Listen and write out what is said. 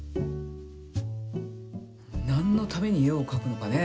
なんのために絵をかくのかね。